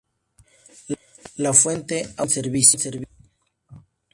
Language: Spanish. La fuente aún está en servicio.